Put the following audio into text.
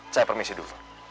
saya permisi dulu